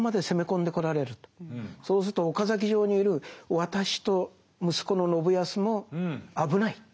そうすると岡崎城にいる私と息子の信康も危ない。